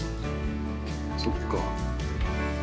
そっか。